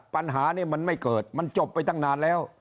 ปัญหานี้มันไม่เกิดมันจบไปตั้งนานแล้ว